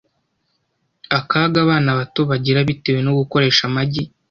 akaga abana bato bagira bitewe no gukoresha amagi